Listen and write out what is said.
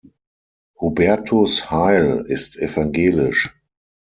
Hubertus Heil ist evangelisch.